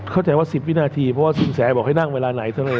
เข้าใจว่า๑๐วินาทีเพราะว่าสินแสบอกให้นั่งเวลาไหนเท่านั้นเอง